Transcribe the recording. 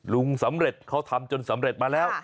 ลุงสำเร็จเขาทำจนสำเร็จมาแล้ว